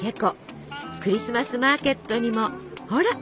クリスマスマーケットにもほら！